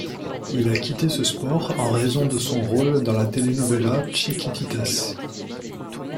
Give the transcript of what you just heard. Il a quitté ce sport en raison de son rôle dans la telenovela Chiquititas.